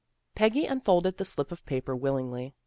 " Peggy unfolded the slip of paper willingly.